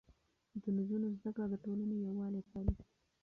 د نجونو زده کړه د ټولنې يووالی پالي.